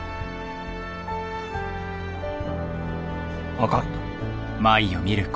分かった。